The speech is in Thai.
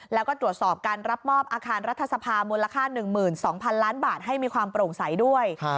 แล้วก็ตรวจสอบการรับมอบอาคารรัฐสภามูลค่า๑๒๐๐๐ล้านบาทให้มีความโปร่งใสด้วย